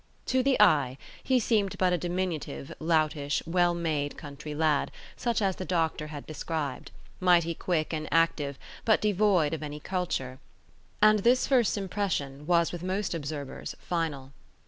To the eye, he seemed but a diminutive, loutish, well made country lad, such as the doctor had described, mighty quick and active, but devoid of any culture; and this first impression was with most observers final.